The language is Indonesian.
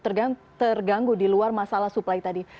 terganggu di luar masalah supply tadi